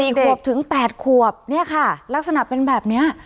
ขวบถึงแปดขวบเนี่ยค่ะลักษณะเป็นแบบเนี้ย